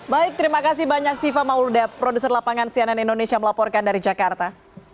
baik terima kasih banyak siva mauluda produser lapangan cnn indonesia melaporkan dari jakarta